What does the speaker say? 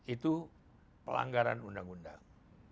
itu pelanggaran undang undang